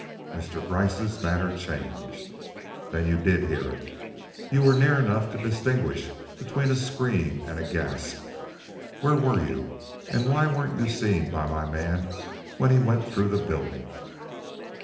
Mr. Gryce's manner changed. "Then you did hear it. You were near enough to distinguish between a scream and a gasp. Where were you, and why weren't you seen by my man when he went through the building?"